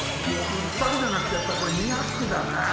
１泊じゃなくて、やっぱりこれ、２泊だな。